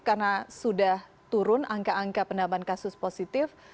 karena sudah turun angka angka pendampan kasus positif